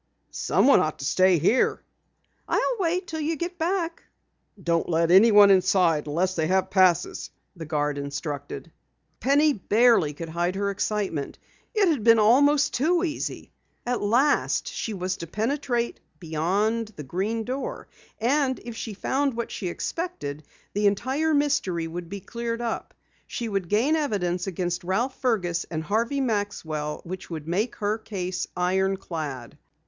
"Someone ought to stay here." "I'll wait until you get back." "Don't let anyone inside unless they have passes," the guard instructed. Penny barely could hide her excitement. It had been almost too easy! At last she was to penetrate beyond the Green Door! And if she found what she expected, the entire mystery would be cleared up. She would gain evidence against Ralph Fergus and Harvey Maxwell which would make her case iron clad.